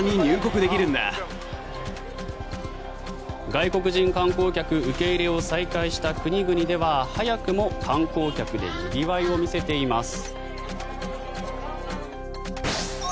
外国人観光客受け入れを再開した国々では早くも観光客でにぎわいを見せています。